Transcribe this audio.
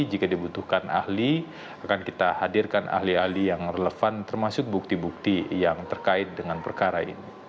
jika dibutuhkan ahli akan kita hadirkan ahli ahli yang relevan termasuk bukti bukti yang terkait dengan perkara ini